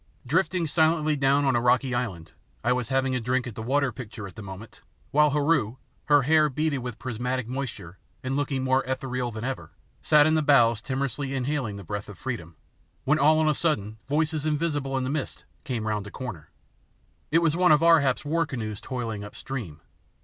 Drifting silently down on a rocky island, I was having a drink at the water pitcher at the moment, while Heru, her hair beaded with prismatic moisture and looking more ethereal than ever, sat in the bows timorously inhaling the breath of freedom, when all on a sudden voices invisible in the mist, came round a corner. It was one of Ar hap's war canoes toiling up stream.